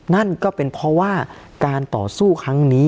นั่นก็เป็นเพราะว่าการต่อสู้ครั้งนี้